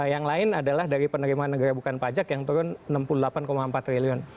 yang lain adalah dari penerimaan negara bukan pajak yang turun enam puluh delapan empat triliun